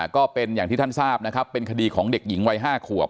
ก็เป็นอย่างที่ท่านทราบนะครับเป็นคดีของเด็กหญิงวัย๕ขวบ